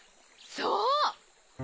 そう！